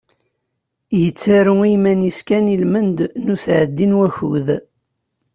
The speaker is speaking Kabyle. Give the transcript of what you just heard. Yettaru i yiman-is kan i lmend n usεeddi n wakud.